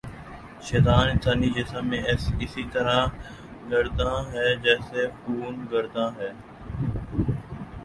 شیطان انسانی جسم میں اسی طرح گرداں ہے جیسے خون گرداں ہے